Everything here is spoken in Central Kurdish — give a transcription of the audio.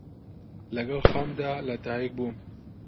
لەگەڵ خەمدا لە دایک بووم،